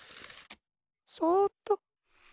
そっと。